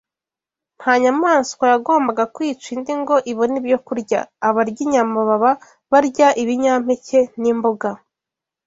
Nta nyamaswa yagombaga kwica indi ngo ibone ibyokurya. Abarya inyama baba barya ibinyampeke n’imboga